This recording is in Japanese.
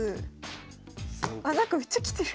なんかめっちゃ来てる。